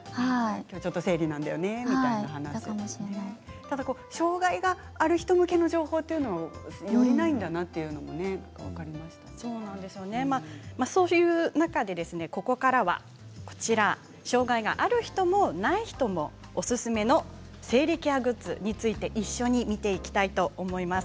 きょうちょっと生理なんだよねみたいな障害がある人向けの情報というのは、よりないんだなとそういう中でここからは障害がある人も、ない人もおすすめの生理ケアグッズについて一緒に見ていきたいと思います。